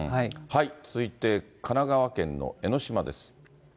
続いて神奈川県の江の島です。